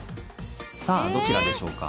さあ、どちらでしょうか？